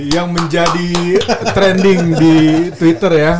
yang menjadi trending di twitter ya